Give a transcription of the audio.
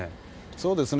そうですね。